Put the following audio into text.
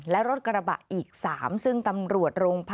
และรถกระบะอีก๓ซึ่งตำรวจโรงพัก